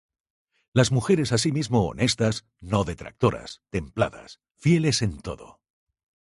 Las mujeres asimismo, honestas, no detractoras, templadas, fieles en todo.